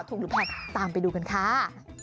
หรือแพงตามไปดูกันค่ะ